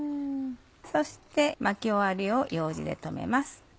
そして巻き終わりをようじで留めます。